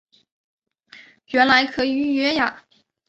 原来可以预约呀